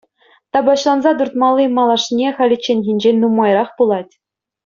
Тапаҫланса туртмалли малашне халичченхинчен нумайрах пулать.